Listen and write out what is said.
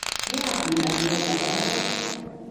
Niapin aak laupadau